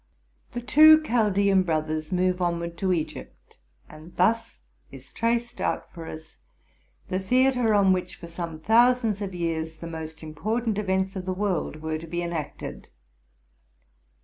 The two Chal dean brothers move onward to Egypt; and thus is traced out for us the theatre on which, for some thousands of years. the most important events of the world were to be enacted.